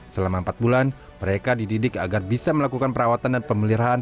selama empat bulan mereka dididik agar bisa melakukan perawatan dan pemeliharaan